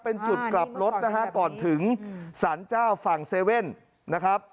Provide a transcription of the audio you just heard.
เป็นจุดกลับรถนะฮะก่อนถึงสารเจ้าฝั่งเซเว่นนะครับ